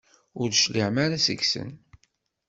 Ur d-tecliɛem ara seg-sen.